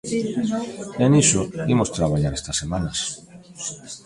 E niso imos traballar estas semanas.